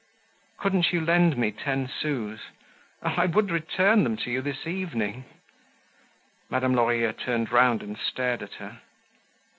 "Couldn't you lend me ten sous? Oh! I would return them to you this evening!" Madame Lorilleux turned round and stared at her.